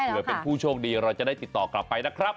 เผื่อเป็นผู้โชคดีเราจะได้ติดต่อกลับไปนะครับ